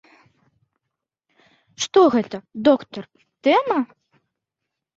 Што гэта, доктар, тэма?